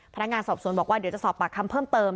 พนักงานสอบสวนบอกว่าเดี๋ยวจะสอบปากคำเพิ่มเติม